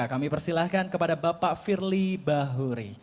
kami persilahkan kepada bapak firly bahuri